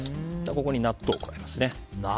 ここに納豆を加えます。